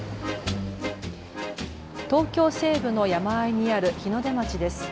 東京西部の山あいにある日の出町です。